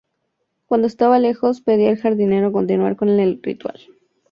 Cuando estaba lejos, pedía al jardinero continuar con el ritual.